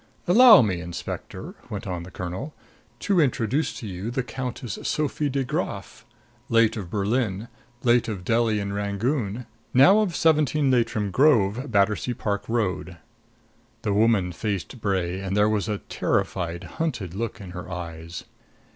"Allow me, Inspector," went on the colonel, "to introduce to you the Countess Sophie de Graf, late of Berlin, late of Delhi and Rangoon, now of 17 Leitrim Grove, Battersea Park Road." The woman faced Bray; and there was a terrified, hunted look in her eyes.